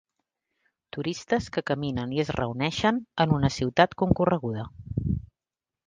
Turistes que caminen i es reuneixen en una ciutat concorreguda.